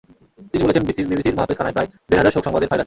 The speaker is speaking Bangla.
তিনি বলেছেন, বিবিসির মহাফেজখানায় প্রায় দেড় হাজার শোক সংবাদের ফাইল আছে।